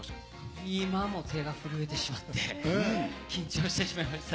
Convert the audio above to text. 今も手が震えてしまって、緊張してしまいました。